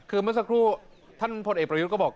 คือเมื่อสักครู่ท่านพลเอกประยุทธ์ก็บอก